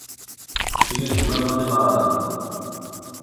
তিনি ঘুমের মধ্যে মারা যান।